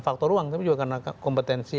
faktor ruang tapi juga karena kompetensi